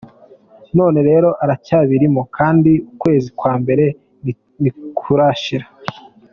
None rero aracyabirimo kandi ukwezi kwa mbere ntikurashira.